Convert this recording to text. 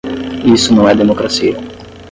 Isso não é democracia